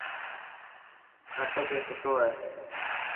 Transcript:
کٽ تي ستو هي.